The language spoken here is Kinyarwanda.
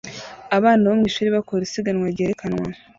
Abana bo mwishuri bakora isiganwa ryerekanwa